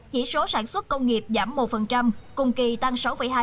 chỉ số sản xuất công nghiệp giảm một cùng kỳ tăng sáu hai